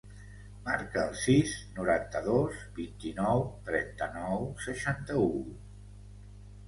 Marca el sis, noranta-dos, vint-i-nou, trenta-nou, seixanta-u.